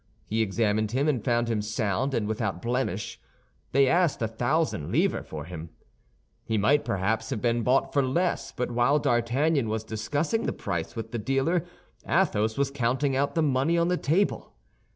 He examined him, and found him sound and without blemish. They asked a thousand livres for him. He might perhaps have been bought for less; but while D'Artagnan was discussing the price with the dealer, Athos was counting out the money on the table.